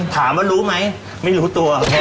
ถามว่ารู้ไหมไม่รู้ตัว